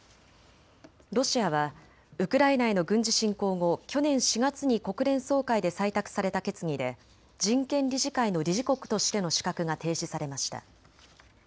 ロシアはウクライナへの軍事侵攻後、去年４月に国連総会で採択された決議で人権理事会の理事国としての資格が停止されました。